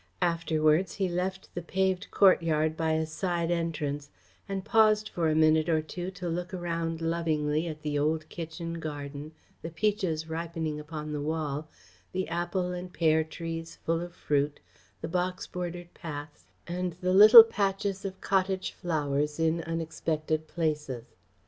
Afterwards he left the paved courtyard by a side entrance and paused for a minute or two to look around lovingly at the old kitchen garden, the peaches ripening upon the wall, the apple and pear trees full of fruit, the box bordered paths, and the little patches of cottage flowers in unexpected places.